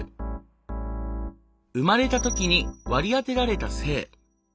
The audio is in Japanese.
生まれた時に割り当てられた性。